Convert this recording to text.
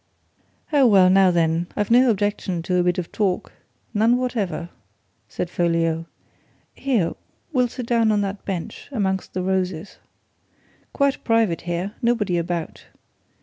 "Oh, well, now then, I've no objection to a bit of talk none whatever!" said Folliot. "Here! we'll sit down on that bench, amongst the roses. Quite private here nobody about.